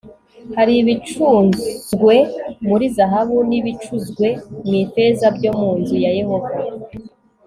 hari ibicuzwe muri zahabu n'ibicuzwe mu ifeza byo mu nzu ya yehova